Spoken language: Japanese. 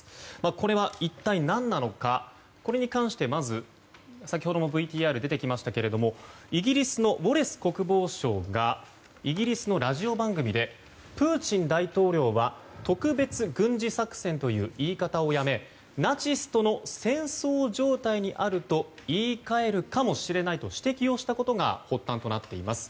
これは一体、何なのかこれに関して先ほどもＶＴＲに出てきましたがイギリスのウォレス国防相がイギリスのラジオ番組でプーチン大統領は特別軍事作戦という言い方をやめナチスとの戦争状態にあると言い換えるかもしれないと指摘をしたことが発端となっています。